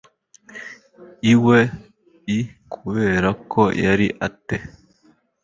iwe i kubera ko yari ate